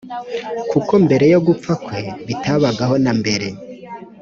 kuko mbere yo gupfa kwe bitabagaho na mbere.